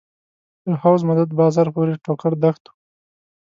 تر حوض مدد بازار پورې ټوکر دښت و.